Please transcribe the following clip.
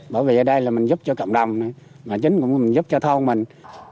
bởi vì ở đây là mình giúp cho cộng đồng mà chính cũng là mình giúp cho thông mình